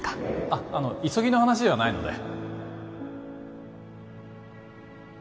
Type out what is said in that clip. あっあの急ぎの話ではないので